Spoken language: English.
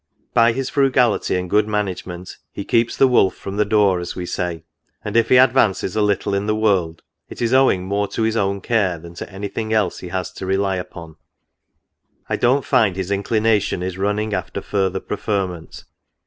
" By his frugality and good management, he keeps the wolf from the door, as we say ; and if he advances a little in the world, it is owing more to his own care, than to any thing else he has to rely upon. I don't find his inclination is running after further preferment.